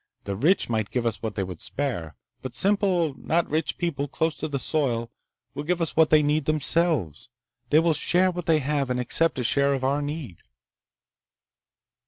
"The rich might give us what they could spare. But simple, not rich people, close to the soil, will give us what they need themselves. They will share what they have, and accept a share of our need."